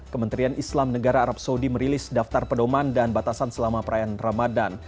kementerian islam negara arab saudi merilis daftar pedoman dan batasan selama perayaan ramadan